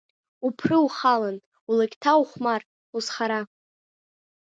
Уԥры, ухалан, улакьҭа, ухәмар, узхара!